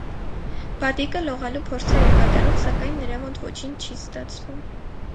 Բադիկը լողալու փորձեր է կատարում, սակայն նրա մոտ ոչինչ չի ստացվում։